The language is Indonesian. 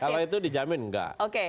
kalau itu dijamin enggak